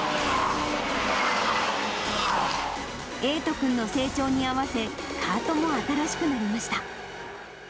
瑛斗君の成長に合わせ、カートが新しくなりました。